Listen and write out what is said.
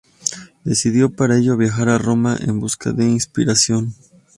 Decidió, para ello, viajar a Roma en busca de inspiración.